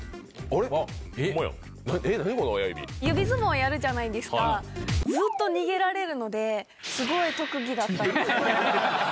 指相撲やるじゃないですか、ずっと逃げられるので、すごい特技でした。